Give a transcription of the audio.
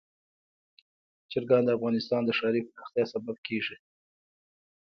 چرګان د افغانستان د ښاري پراختیا سبب کېږي.